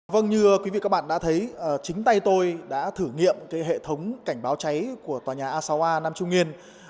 vâng như quý vị các bạn đã thấy chính tay tôi đã thử nghiệm hệ thống cảnh báo cháy của tòa nhà asoa nam trung nguyên